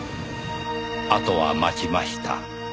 「あとは待ちました」